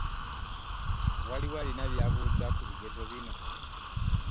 Waliwo alina byabuuza ku bigezo bino?